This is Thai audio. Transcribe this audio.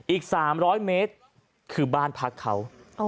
อีก๓๐๐เมตรคือบ้านพักเขา